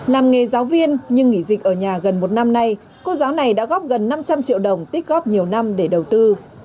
làm nghề giáo viên nhưng nghỉ dịch ở nhà gần một năm nay cô giáo này đã góp gần năm trăm linh triệu đồng tích góp nhiều năm để đầu tư